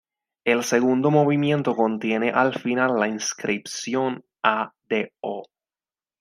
El segundo movimiento contiene al final la inscripción "A. Do.